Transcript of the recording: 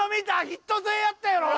ヒット性やったやろ？